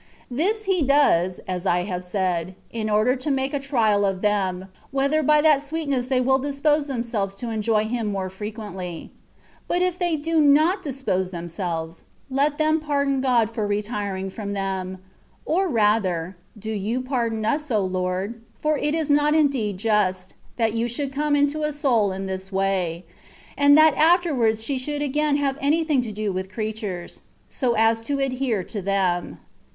This He does (as I have said), in order to make a trial of them, whether by that sweetness they will dispose themselves to enjoy him more fre quently. But if they do not dispose themselves, let them pardon God for retiring from them ; or, rather, do You pardon us, O Lord ! for it is not indeed just, that You should come into a soul in this way, and that afterwards she should again have anything to do with creatures, so as to ad here to them.